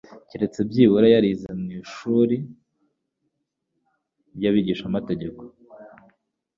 keretse byibura yarize mu ishuri ry'abigishamategeko;